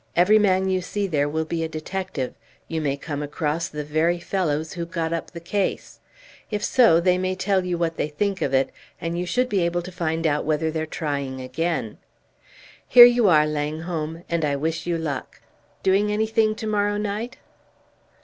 Every man you see there will be a detective; you may come across the very fellows who got up the case; if so, they may tell you what they think of it, and you should be able to find out whether they're trying again. Here you are, Langholm, and I wish you luck. Doing anything to morrow night?"